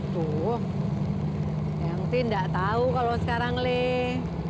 tuh yang ti enggak tahu kalau sekarang lek